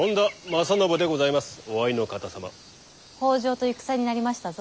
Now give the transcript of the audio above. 北条と戦になりましたぞ。